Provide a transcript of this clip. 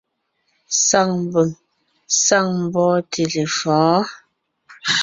Saŋ mbʉ̀ŋ, saŋ mbɔ́ɔnte lefɔ̌ɔn.